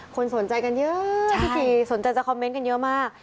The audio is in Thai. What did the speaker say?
คนสนใจกันเยอะพิธีสนใจจะคอมเมนต์กันเยอะมาก